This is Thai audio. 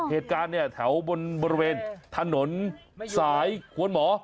เหตุการณ์เนี่ยแถวบริเวณถนนสายควนหมอ